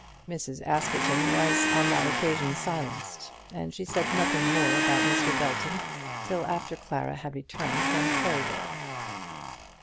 Mrs. Askerton was on that occasion silenced, and she said nothing more about Mr. Belton till after Clara had returned from Perivale.